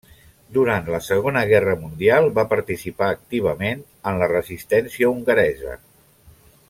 Durant la Segona Guerra Mundial va participar activament en la Resistència hongaresa.